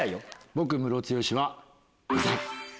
僕ムロツヨシは。